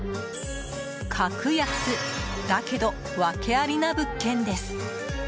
格安だけど、ワケありな物件です。